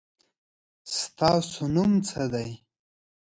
ستاسو نوم څه دی؟